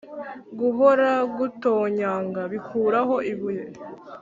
guhora gutonyanga bikuraho ibuye